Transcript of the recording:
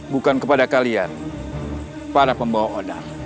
bukan kepada kalian para pembawa odang